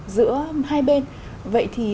giữa hai bên vậy thì